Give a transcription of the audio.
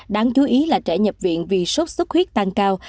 đáng chú ý là trẻ nhập viện vì sốt xuất huyết tăng cao